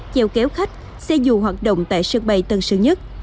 chèo kéo khách xe dù hoạt động tại sân bay tân sơn nhất